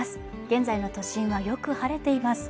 現在の都心はよく晴れています